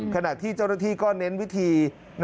ขณะที่เจ้าหน้าที่ก็เน้นวิธี